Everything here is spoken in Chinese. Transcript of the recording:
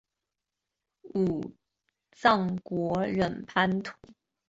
武藏国忍藩主。